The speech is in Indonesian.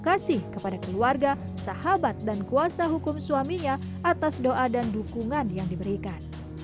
terima kasih kepada keluarga sahabat dan kuasa hukum suaminya atas doa dan dukungan yang diberikan